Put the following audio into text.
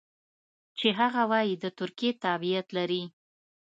چې هغه وايي د ترکیې تابعیت لري.